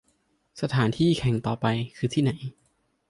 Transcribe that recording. สถานที่แข่งที่ต่อไปคือที่ไหน